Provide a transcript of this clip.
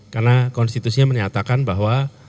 karena konstitusinya menyatakan bahwa